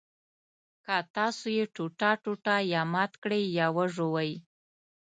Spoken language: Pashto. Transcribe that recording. که تاسو یې ټوټه ټوټه یا مات کړئ یا وژوئ.